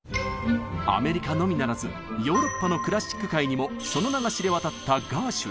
アメリカのみならずヨーロッパのクラシック界にもその名が知れ渡ったガーシュウィン。